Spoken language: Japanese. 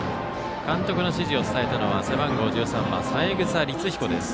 監督の指示を伝えたのは背番号１３番、三枝律彦です。